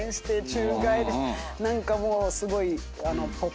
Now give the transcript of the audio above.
何かもうすごい。